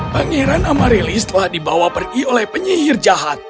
pangeran amarilis telah dibawa pergi oleh penyihir jahat